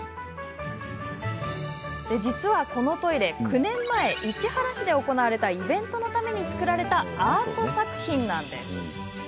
実は、このトイレ９年前に市原市で行われたイベントのために作られたアート作品なんです。